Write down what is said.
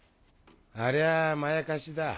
ありゃあまやかしだ。